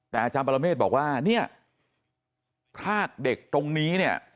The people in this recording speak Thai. แต่อาจารย์ปรเมฆบอกว่าเนี่ยพรากเด็กตรงนี้เนี่ย